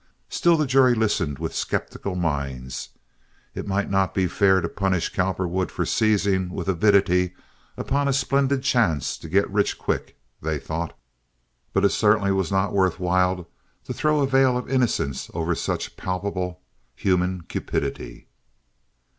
Still the jury listened with skeptical minds. It might not be fair to punish Cowperwood for seizing with avidity upon a splendid chance to get rich quick, they thought; but it certainly was not worth while to throw a veil of innocence over such palpable human cupidity.